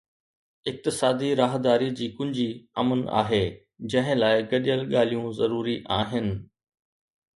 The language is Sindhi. اقتصادي راهداري جي ڪنجي امن آهي، جنهن لاءِ گڏيل ڳالهيون ضروري آهن